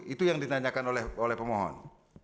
itu yang ditanyakan oleh pemohon